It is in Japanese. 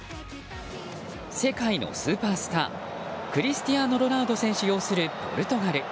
世界のスーパースタークリスティアーノ・ロナウド選手擁するポルトガル。